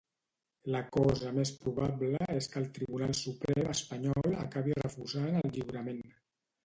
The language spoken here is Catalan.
La cosa més probable és que el Tribunal Suprem espanyol acabi refusant el lliurament.